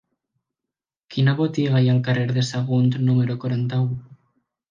Quina botiga hi ha al carrer de Sagunt número quaranta-u?